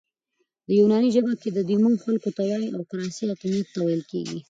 په یوناني ژبه کښي ديمو خلکو ته وایي او کراسي حاکمیت ته ویل کیږي.